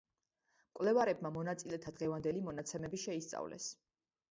მკვლევარებმა მონაწილეთა დღევანდელი მონაცემები შეისწავლეს.